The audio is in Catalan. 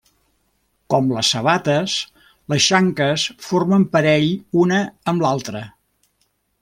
Com les sabates, les xanques formen parell una amb l'altre.